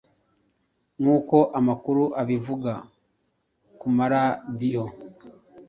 nkuko amakuru abivuga kumaradiyo